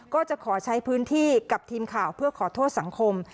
ก็จะขอใช้พื้นที่กับทีมข่าวเพื่อขอโทษสังคม